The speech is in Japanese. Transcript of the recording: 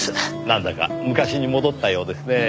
なんだか昔に戻ったようですねぇ。